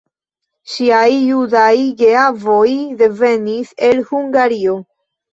Ŝiaj judaj geavoj devenis el Hungario.